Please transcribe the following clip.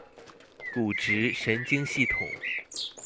骨質、神經系統